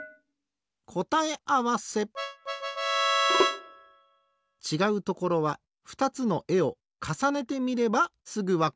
こたえあわせちがうところはふたつのえをかさねてみればすぐわかる。